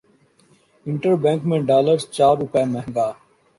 inter bank میں dollar چار روپے مہنگا